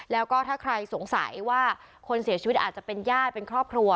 แล้วก็ถ้าใครสงสัยว่าคนเสียชีวิตอาจจะเป็นญาติเป็นครอบครัว